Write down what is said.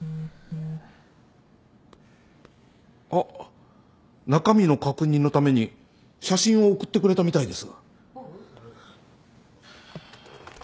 あっ中身の確認のために写真を送ってくれたみたいです。